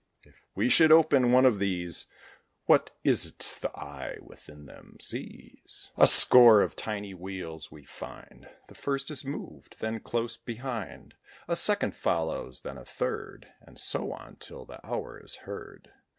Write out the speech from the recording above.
If we should open one of these, What is't the eye within them sees? A score of tiny wheels we find; The first is moved, then, close behind, A second follows, then a third, And so on, till the hour is heard.